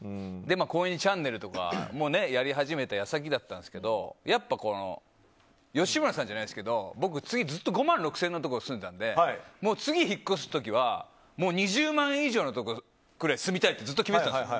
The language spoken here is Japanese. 「高円寺チャンネル」とかもやり始めた矢先だったんですけどやっぱり吉村さんじゃないですけど僕ずっと月５万６０００円のとこ住んでたんで次、引っ越す時はもう２０万円以上のところに住みたいって決めてたんです。